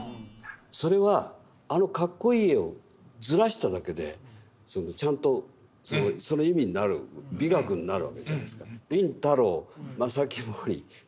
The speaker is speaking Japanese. それはあのカッコいい絵をずらしただけでちゃんとその意味になる美学になるわけじゃないですか。